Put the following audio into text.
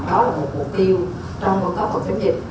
đó là một mục tiêu trong cộng đồng chống dịch